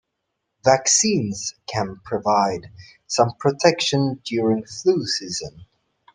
Vaccines can provide some protection during flu season.